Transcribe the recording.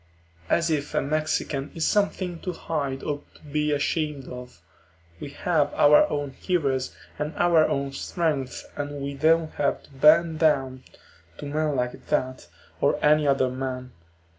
As if a Mexican is something to hide or to be ashamed of. We have our own heroes and our own strength and we don't have to bend down to men like that, or any other men.